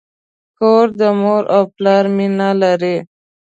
کور د مور او پلار مینه لري.